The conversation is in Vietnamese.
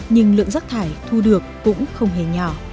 nhưng lượng rác thải thu được cũng không hề nhỏ